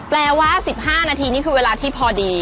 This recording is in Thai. แปลว่า๑๕นาทีนี่คือเวลาที่พอดี